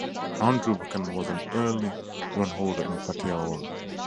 Andrew Buchanan was an early runholder in Patearoa.